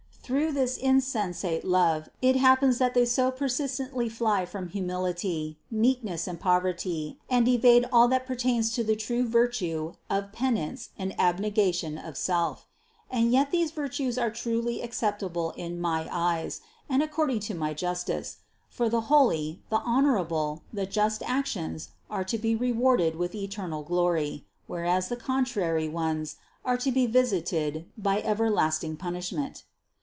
Through this insensate love it happens that they so persistently fly from humility, meekness and poverty and evade all that pertains to the true virtue of penance and abnegation of self. And yet these virtues are truly acceptable in my eyes and according to my jus tice; for the holy, the honorable, the just actions, are to be rewarded with eternal glory, whereas the contrary ones are to be visited by everlasting punishment."